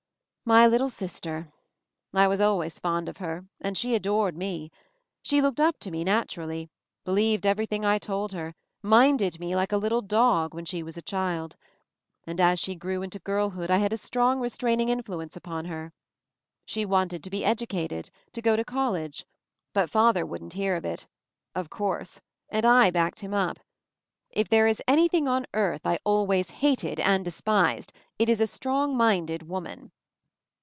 My little sister! I was always fond of her, and she adored me. She looked up to me, naturally; believed everything I told her; minded me like a little dog — when she was a child. And as she grew into girl hood, I had a strong restraining influence upon her. She wanted to be educated — to go to college — but father wouldn't hear of it, of course, and I backed him up. If there is anything on earth I always hated and de spised, it is a strong minded woman!